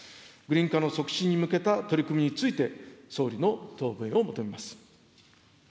グリーン化の促進に向けた取り組みについて、総理の答弁を求めます。